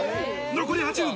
残り８分。